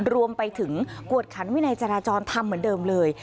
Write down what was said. รวมไปถึงกวดขันวินัยจราจรทำเหมือนเดิมเลย